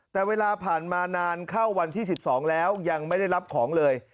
แต่เวลาผ่านมานานเข้าวันที่๑๒แล้วยังไม่ได้รับของเลย